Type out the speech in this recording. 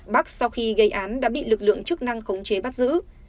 bắc sau khi gây án đã bị lực lượng chức năng khống chế bắt giữ